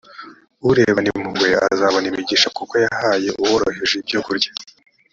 urebana impuhwe azabona imigisha kuko yahaye uworoheje ibyo kurya